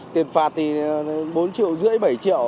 tiền phạt thì bốn triệu rưỡi bảy triệu